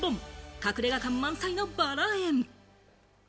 隠れ家感満載のバラ園。